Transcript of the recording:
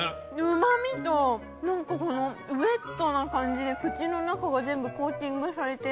旨味と何かこのウエットな感じで口の中が全部コーティングされて。